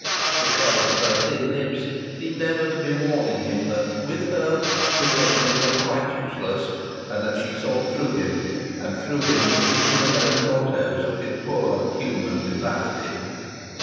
The curve of her thin lips seemed ever to be warning him that with her pretensions were quite useless, and that she saw through him and through him to the innermost grottoes of his poor human depravity.